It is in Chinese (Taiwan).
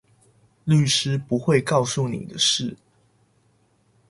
律師不會告訴你的事